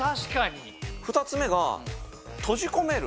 ２つ目が「とじこめる」。